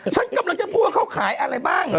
ฉันกำลังจะพูดว่าเขาขายอะไรบ้าง